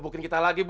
nah ini syarif